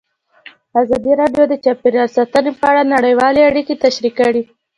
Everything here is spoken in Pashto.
ازادي راډیو د چاپیریال ساتنه په اړه نړیوالې اړیکې تشریح کړي.